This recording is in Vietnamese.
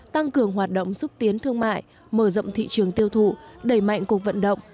tăng cường hoạt động xúc tiến thương mại mở rộng thị trường tiêu thụ đẩy mạnh cuộc vận động